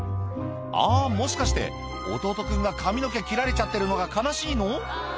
あもしかして弟君が髪の毛切られちゃってるのが悲しいの？